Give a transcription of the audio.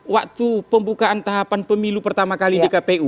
waktu pembukaan tahapan pemilu pertama kali di kpu